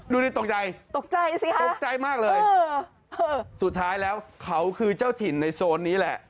ดูดิตกใจตกใจสิค่ะตกใจมากเลยสุดท้ายแล้วเขาคือเจ้าถิ่นในโซนนี้แหละ